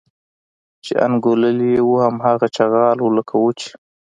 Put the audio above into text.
چې انګوللي یې وو هماغه چغال و لکه وو چې.